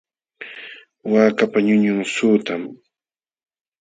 Waakapa ñuñun suqtam.